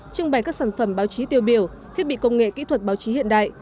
trưng bày các sản phẩm báo chí tiêu biểu thiết bị công nghệ kỹ thuật báo chí hiện đại